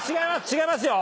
違いますよ。